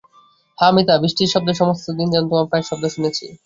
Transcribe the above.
হাঁ মিতা, বৃষ্টির শব্দে সমস্ত দিন যেন তোমার পায়ের শব্দ শুনেছি।